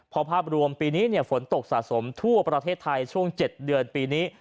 พอภาพรวมปีนี้ฝนตกสะสมทั่วประเทศไทยช่วง๗เดือนปีนี้